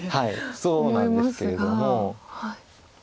そうなんですけれども。